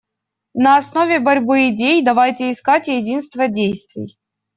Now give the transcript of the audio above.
На основе борьбы идей давайте искать единство действий.